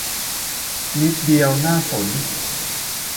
นิดเดียว น่าสน